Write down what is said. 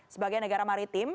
sebagai negara maritim